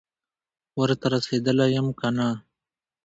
ورته رسېدلی یم که نه،